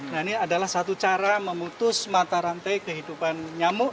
nah ini adalah satu cara memutus mata rantai kehidupan nyamuk